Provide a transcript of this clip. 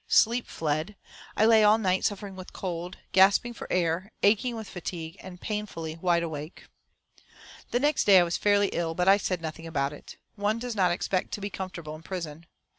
Sleep fled. I lay all night suffering with cold, gasping for air, aching with fatigue, and painfully wide awake. The next day I was fairly ill, but I said nothing about it. One does not expect to be comfortable in prison.